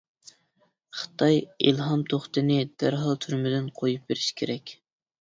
خىتاي ئىلھام توختىنى دەرھال تۈرمىدىن قويۇپ بېرىشى كېرەك.